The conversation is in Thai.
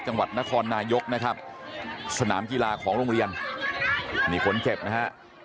จังหวัดนครนายกนะครับสนามกีฬาของโรงเรียนนี่คนเจ็บนะฮะ